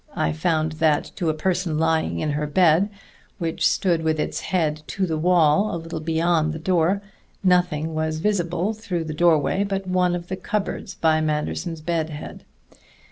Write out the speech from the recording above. I found that to a person lying in her bed, which stood with its head to the wall a little beyond the door, nothing was visible through the doorway but one of the cupboards by Manderson's bed head.